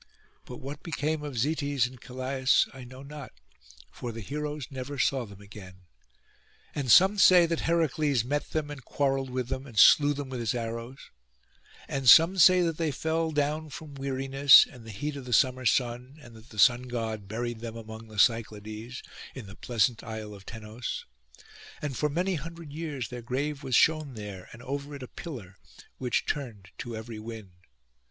But what became of Zetes and Calais I know not, for the heroes never saw them again: and some say that Heracles met them, and quarrelled with them, and slew them with his arrows; and some say that they fell down from weariness and the heat of the summer sun, and that the Sun god buried them among the Cyclades, in the pleasant Isle of Tenos; and for many hundred years their grave was shown there, and over it a pillar, which turned to every wind.